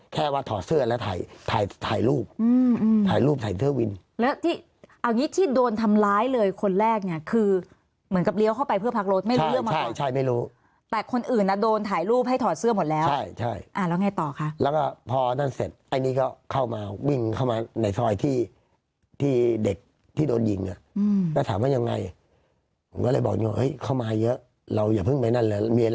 แค่ว่าถอดเสื้อแล้วถ่ายถ่ายถ่ายรูปถ่ายรูปถ่ายเสื้อวินแล้วที่เอาอย่างงี้ที่โดนทำร้ายเลยคนแรกเนี่ยคือเหมือนกับเลี้ยวเข้าไปเพื่อพักรถไม่รู้ใช่ใช่ไม่รู้แต่คนอื่นน่ะโดนถ่ายรูปให้ถอดเสื้อหมดแล้วใช่ใช่อ่าแล้วไงต่อค่ะแล้วก็พอนั้นเสร็จอันนี้ก็เข้ามาวิ่งเข้ามาในซอยที่ที่เด็กที่โดนยิงอ่ะอืมแล้วถาม